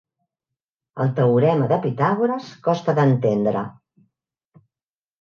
El teorema de Pitàgores costa d'entendre.